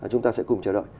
chúng ta sẽ cùng chờ đợi